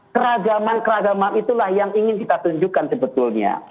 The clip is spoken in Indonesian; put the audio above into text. keragaman keragaman itulah yang ingin kita tunjukkan sebetulnya